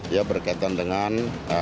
ya berkaitan dengan